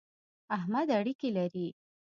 احمد اړېکی لري.